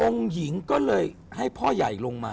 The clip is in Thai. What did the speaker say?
หญิงก็เลยให้พ่อใหญ่ลงมา